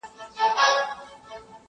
• خلک نور ژوند کوي عادي,